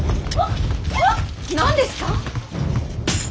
何ですか。